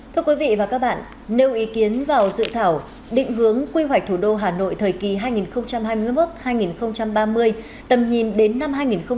thưa quý vị và các bạn nêu ý kiến vào dự thảo định hướng quy hoạch thủ đô hà nội thời kỳ hai nghìn hai mươi một hai nghìn ba mươi tầm nhìn đến năm hai nghìn năm mươi